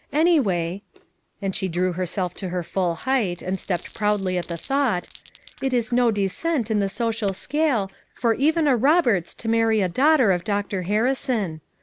Anyway," and she drew herself to her full height and stepped proudly at the thought, "it is no descent in the social scale for even a Roberts to marry a daughter of Dr. Harrison.